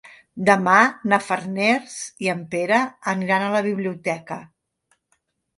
Demà na Farners i en Pere aniran a la biblioteca.